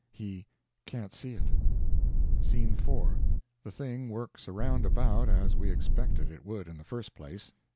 He "can't see it." Scene 4.—The thing works around about as we expected it would in the first place.